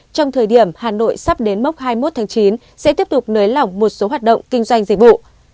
trong thời điểm hà nội sắp đến mốc hai mươi một tháng chín sẽ tiếp tục nới lỏng một số hoạt động kinh doanh dịch vụ